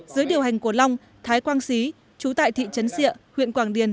dưới điều hành của long thái quang xí chú tại thị trấn xịa huyện quảng điền